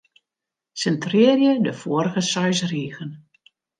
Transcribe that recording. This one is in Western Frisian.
Sintrearje de foarige seis rigen.